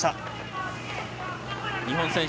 日本選手